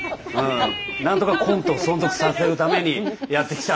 なんとかコントを存続させるためにやってきたので。